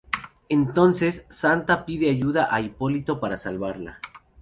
Entonces, Santa le pide ayuda a Hipólito para salvarla.